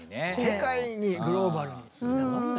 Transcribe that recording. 世界にグローバルにつながった。